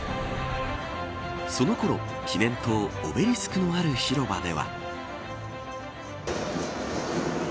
そのころ記念塔オベリスクのある広場では。